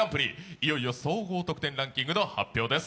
いよいよ総合得点ランキングの発表です